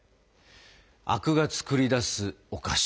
灰汁が作り出すお菓子